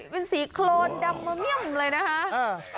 เป็นสีโครนดำมะเมี่ยมเลยนะคะ